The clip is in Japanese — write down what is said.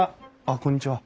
あっこんにちは。